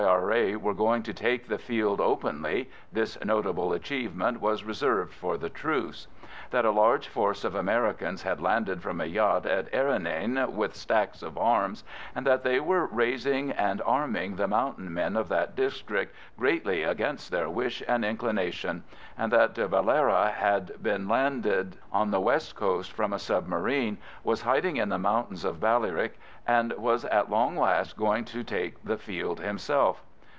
R.A. were going to take the field openly (this notable achievement was reserved for the Truce); that a large force of Americans had landed from a yacht at Errinane with stacks of arms, and that they were raising and arming the mountain men of that district greatly against their wish and inclination, and that De Valera had been landed on the west coast from a submarine, was hiding in the mountains of Ballyrick, and was at long last going to take the field himself.